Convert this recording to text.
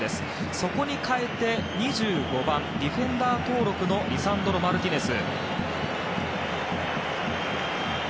そこに代えて、２５番ディフェンダー登録のリサンドロ・マルティネス。